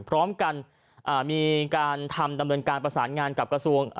พร้อมกันมีการทำดำเนินการประสานงานกับกระทรวง